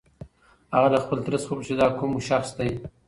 هغه له خپل تره څخه وپوښتل چې دا کوم شخص دی؟